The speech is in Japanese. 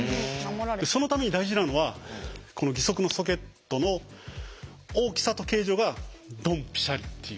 そのために大事なのはこの義足のソケットの大きさと形状がドンピシャリっていう。